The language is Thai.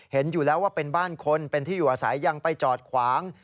เห็นอยู่แล้วว่าเป็นบ้านคนเป็นที่อยู่อาศัยยังไปจอดขวาง